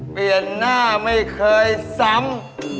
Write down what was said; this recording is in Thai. เปลี่ยนหน้าไม่เคยซ้ำ